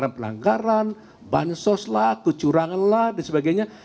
karena pelanggaran bansoslah kecuranganlah dan sebagainya